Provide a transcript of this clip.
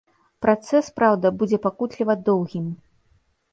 Працэс, праўда, будзе пакутліва доўгім.